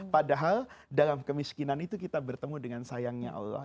padahal dalam kemiskinan itu kita bertemu dengan sayangnya allah